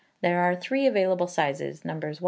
There are three available sizes, Nos.